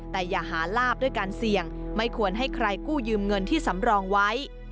แต่อย่าหาลาบด้วยการเสี่ยงไม่ควรให้ใครกู้ยืมเงินที่สำรองไว้